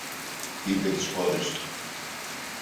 είπε της κόρης του